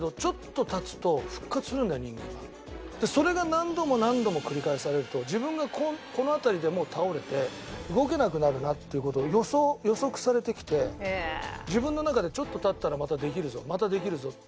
それが何度も何度も繰り返されると自分がこの辺りでもう倒れて動けなくなるなっていう事を予想予測されてきて自分の中でちょっと経ったらまたできるぞまたできるぞって。